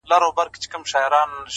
• عمرونه کیږي بلبل دي غواړي ,